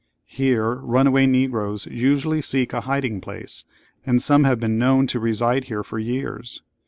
Here runaway Negroes usually seek a hiding place, and some have been known to reside here for years.